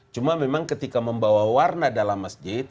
cuma memang ketika membawa warna dalam masjid